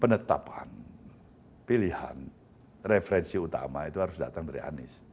penetapan pilihan referensi utama itu harus datang dari anies